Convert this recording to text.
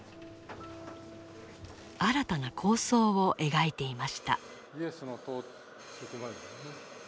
新たな構想を描いていました。